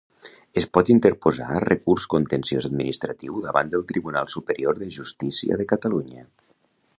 Es pot interposar recurs contenciós administratiu davant del Tribunal Superior de Justícia de Catalunya.